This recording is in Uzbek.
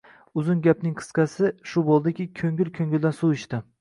Uzun gapning qisqasi, shu bo`ldiki, ko`ngil ko`ngildan suv ichdi